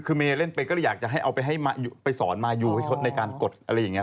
คือเมย์เล่นเป็นก็เลยอยากจะเอาไปได้สอนเมย่วห์พี่ในการกดอะไรอย่างเงี้ย